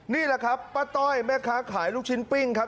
นี่แหละครับป้าต้อยแม่ค้าขายลูกชิ้นปิ้งครับ